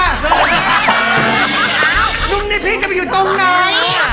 หนุ่มนี้พี่จะไปอยู่ตรงไหน